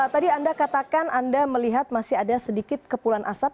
tadi anda katakan anda melihat masih ada sedikit kepulan asap